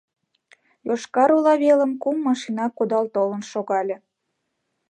Йошкар-Ола велым кум машина кудал толын шогале.